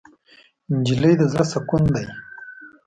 نجلۍ د زړه سکون دی.